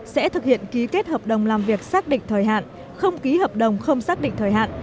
sẽ thực hiện ký kết hợp đồng làm việc xác định thời hạn không ký hợp đồng không xác định thời hạn